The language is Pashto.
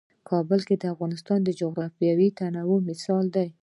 کابل د افغانستان د جغرافیوي تنوع مثال دی.